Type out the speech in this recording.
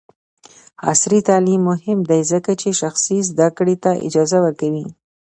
عصري تعلیم مهم دی ځکه چې شخصي زدکړې ته اجازه ورکوي.